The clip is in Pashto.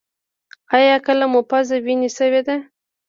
ایا کله مو پوزه وینې شوې ده؟